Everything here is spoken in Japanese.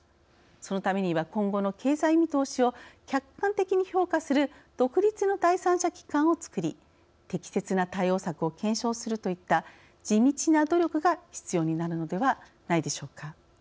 そのためには今後の経済見通しを客観的に評価する独立の第三者機関を作り適切な対応策を検証するといった地道な努力が必要になるのではないでしょうか。